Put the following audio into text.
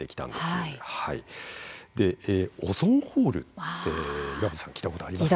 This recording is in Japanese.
オゾンホールって岩渕さん聞いたことあります？